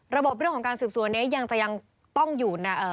เรื่องของการสืบสวนนี้ยังจะยังต้องอยู่